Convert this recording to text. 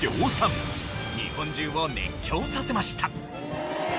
日本中を熱狂させました。